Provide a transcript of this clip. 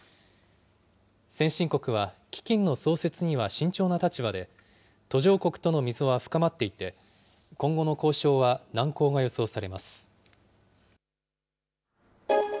先進国は基金の創設には慎重な立場で、途上国との溝は深まっていて、今後の交渉は難航が予想されます。